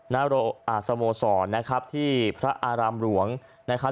สโมสรนะครับที่พระอารามหลวงนะครับ